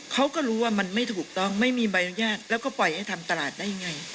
เขาก็รู้ว่ามันไม่ถูกต้องไม่มีใบอนุญาตแล้วก็ปล่อยให้ทำตลาดได้ยังไง